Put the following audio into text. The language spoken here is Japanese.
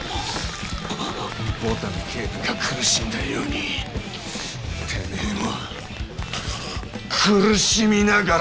牡丹警部が苦しんだようにてめえも苦しみながら死ね！！